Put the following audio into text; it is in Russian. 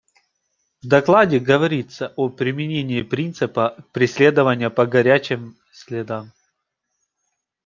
В докладе говорится о применении принципа «преследования по горячим следам».